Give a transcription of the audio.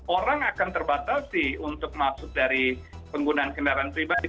orang akan terbatasi untuk masuk dari penggunaan kendaraan pribadi